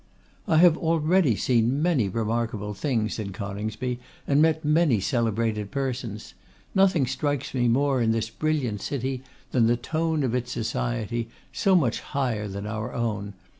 'I have already seen many remarkable things,' said Coningsby; 'and met many celebrated persons. Nothing strikes me more in this brilliant city than the tone of its society, so much higher than our own.